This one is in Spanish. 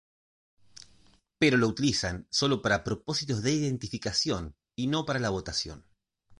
Pero lo utilizan solo para propósitos de identificación y no para la votación.